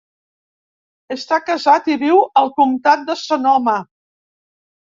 Està casat i viu al comtat de Sonoma.